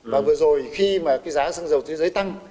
và vừa rồi khi mà cái giá xăng dầu thế giới tăng